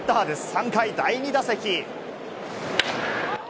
３回、第２打席。